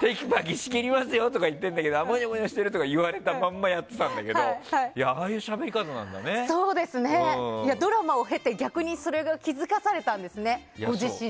てきぱき仕切りますよとか言ってるんだけどもにょもにょしてるとか言われたまんまやってたけどドラマを経て、逆にご自身で気づかされたんですね。